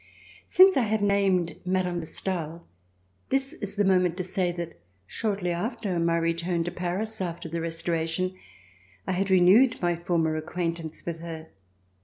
Since I have named Mme. de Stael, this is the moment to say that shortly after my return to Paris, after the Restoration, I had renewed my former acquaintance with her.